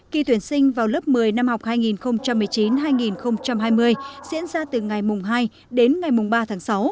kỳ tuyển sinh vào lớp một mươi năm học hai nghìn một mươi chín hai nghìn hai mươi diễn ra từ ngày hai đến ngày ba tháng sáu